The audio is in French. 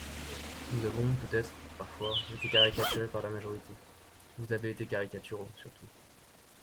Nous avons peut-être parfois été caricaturés par la majorité, Vous avez été caricaturaux, surtout